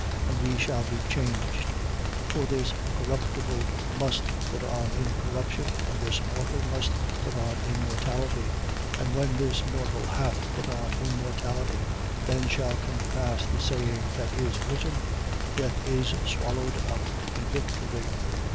And we shall be changed. 15:53. For this corruptible must put on incorruption: and this mortal must put on immortality. 15:54. And when this mortal hath put on immortality, then shall come to pass the saying that is written: Death is swallowed up in victory.